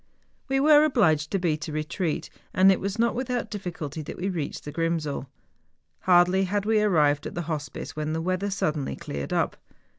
obliged to beat a retreat, and it was not without difficulty that we reached the Grrimsel. Hardly had we arrived at the hospice when the weather suddenly cleared up.